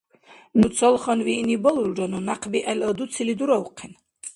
Нуцалхан виъни балулрану, някъби гӀеладуцили дуравхъен!